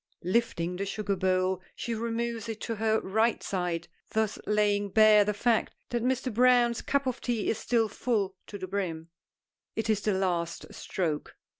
Lifting the sugar bowl she removes it to her right side, thus laying bare the fact that Mr. Browne's cup of tea is still full to the brim. It is the last stroke.